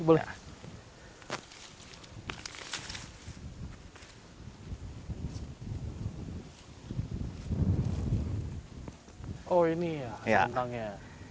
oh ini ya kentangnya